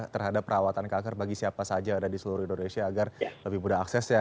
terhadap perawatan kanker bagi siapa saja ada di seluruh indonesia agar lebih mudah aksesnya